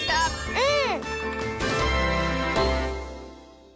うん！